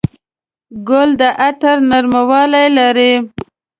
ګل د عطر نرموالی لري.